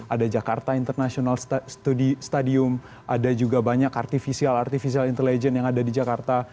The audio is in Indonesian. ada jakarta international stadium ada juga banyak artifisial artificial intelligence yang ada di jakarta